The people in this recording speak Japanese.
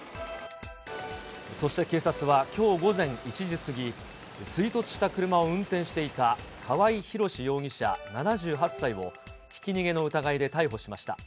そして警察はきょう午前１時過ぎ、追突した車を運転していた川合広司容疑者７８歳をひき逃げの疑いで逮捕しました。